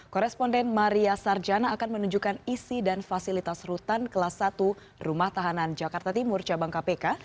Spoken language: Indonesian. koresponden maria sarjana akan menunjukkan isi dan fasilitas rutan kelas satu rumah tahanan jakarta timur cabang kpk